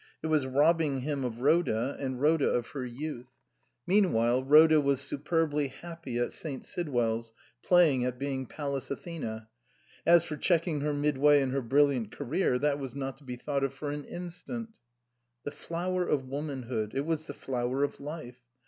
It was robbing him of Rhoda, and Rhoda of her youth. Meanwhile Rhoda was superbly happy at St. Sidwell's, playing at being Pallas Athene ; as for checking her midway in her brilliant career, that was not to be thought of for an instant. The flower of womanhood it was the flower of life.